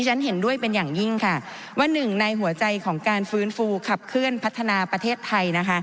เห็นด้วยเป็นอย่างยิ่งในหัวใจของการฟื้นฟูขับเคลื่อนพัฒนาประเทศไทย